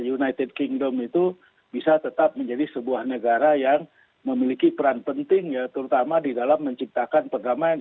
united kingdom itu bisa tetap menjadi sebuah negara yang memiliki peran penting ya terutama di dalam menciptakan perdamaian